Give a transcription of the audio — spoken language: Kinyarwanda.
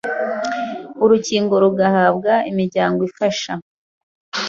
urukingo rugahabwa imiryango ifasha